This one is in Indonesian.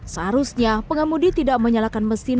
seharusnya pengemudi tidak menyalakan mesin